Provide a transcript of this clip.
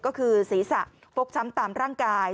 ก็คือศีรษะฟกช้ำตามร่างกาย